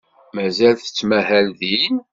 Mazal tettmahal din?